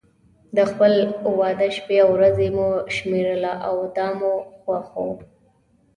د خپل واده شپې او ورځې مو شمېرله او دا مو خوښ و.